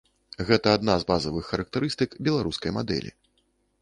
Гэта адна з базавых характарыстык беларускай мадэлі.